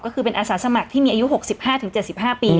ก็คือเป็นอาสาสมัครที่มีอายุ๖๕๗๕ปี